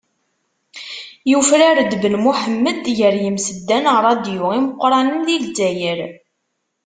Yufrar-d Ben Muḥemmed gar yimseddan ṛṛadyu imeqṛanen di Lezzayer.